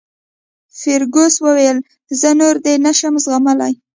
فرګوسن وویل: زه نور دی نه شم زغملای.